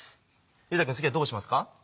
結太くん次はどうしますか？